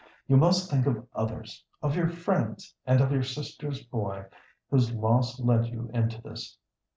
"You must think of others of your friends, and of your sister's boy, whose loss led you into this.